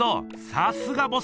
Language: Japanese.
さすがボス！